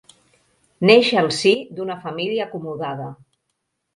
Neix al si d'una família acomodada.